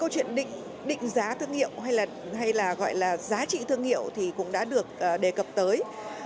chuyện định giá thương hiệu hay là gọi là giá trị thương hiệu thì cũng đã được đề cập tới